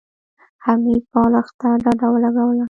حميد بالښت ته ډډه ولګوله.